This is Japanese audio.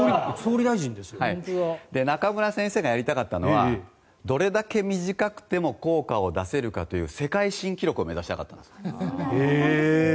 中村先生がやりたかったのはどれだけ短くても効果を出せるかという世界新記録を目指したかったんだそうです。